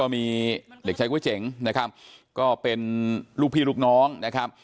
มีเด็กชายก๋วยเจ๋งนะครับก็เป็นลูกพี่ลูกน้องนะครับ